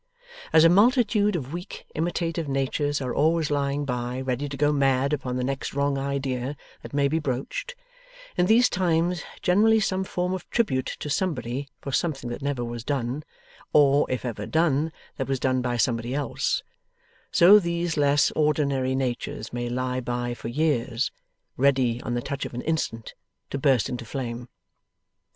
As a multitude of weak, imitative natures are always lying by, ready to go mad upon the next wrong idea that may be broached in these times, generally some form of tribute to Somebody for something that never was done, or, if ever done, that was done by Somebody Else so these less ordinary natures may lie by for years, ready on the touch of an instant to burst into flame.